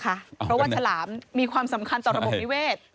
เพราะว่าฉลามมีความสำคัญต่อระบบนิเวศ